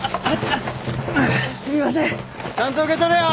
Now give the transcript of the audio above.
ちゃんと受け取れよ！